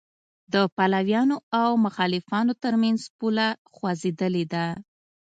د پلویانو او مخالفانو تر منځ پوله خوځېدلې ده.